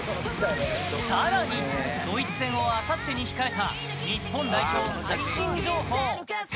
更に、ドイツ戦をあさってに控えた日本代表最新情報。